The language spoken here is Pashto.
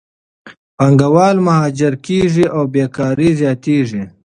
پانګهوال مهاجر کېږي او بیکارۍ زیاتېږي.